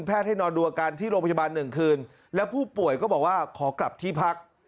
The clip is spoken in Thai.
ให้นอนดูอาการที่โรงพยาบาลหนึ่งคืนแล้วผู้ป่วยก็บอกว่าขอกลับที่พัก